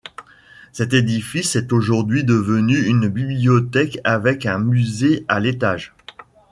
Cet édifice est aujourd'hui devenu une bibliothèque, avec un musée à l'étage.